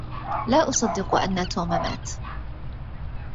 لا أصدق أن توم مات.